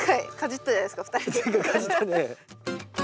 前回かじったね。